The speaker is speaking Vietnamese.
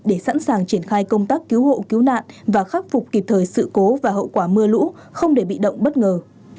để sẵn sàng triển khai công tác cứu hộ cứu nạn và khắc phục kịp thời sự cố và hậu quả mưa lũ không để bị động bất ngờ